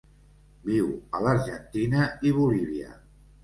Viu a l'Argentina i Bolívia.